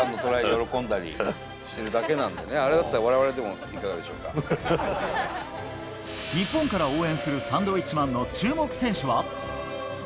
喜んだりしてるだけなんでね、あれだったら日本から応援するサンドウィッチマンの注目選手は。